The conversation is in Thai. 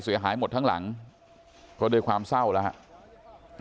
เสียหายหมดทั้งหลังก็ด้วยความเศร้าแล้วครับ